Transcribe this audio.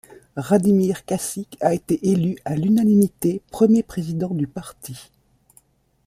Radimir Čačić a été élu à l'unanimité premier président du parti.